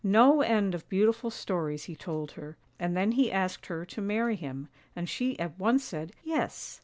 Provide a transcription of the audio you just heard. No end of beautiful stories he told her, and then he asked her to marry him, and she at once said " Yes."